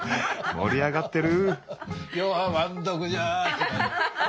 盛り上がってる！